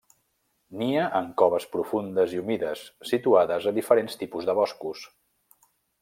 Nia en coves profundes i humides situades a diferents tipus de boscos.